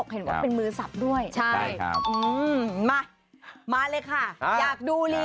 ๒คนอยู่กันได้แล้วแต่ทีนี้